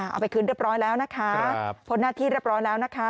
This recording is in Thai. เอาไปคืนเรียบร้อยแล้วนะคะพ้นหน้าที่เรียบร้อยแล้วนะคะ